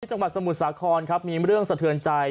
จังหวัดสมุทรสาครครับมีเรื่องสะเทือนใจ